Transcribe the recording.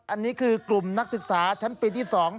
อันนี้คือกลุ่มนักศึกษาชั้นปีที่๒